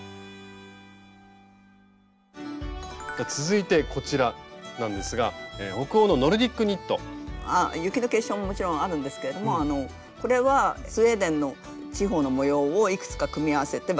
続いてこちらなんですが北欧の雪の結晶ももちろんあるんですけれどもこれはスウェーデンの地方の模様をいくつか組み合わせて。